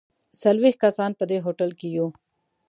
څلوېښت کسان په دې هوټل کې یو.